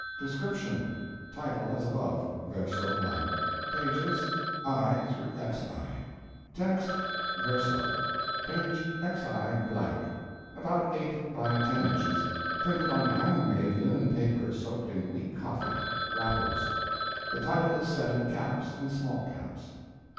DESCRIPTION: Title as above, verso blank; pp. [i] xi, text; verso p. xi blank. About 8 x 10 inches, printed on handmade linen paper soaked in weak coffee, wrappers. The title is set in caps and small caps.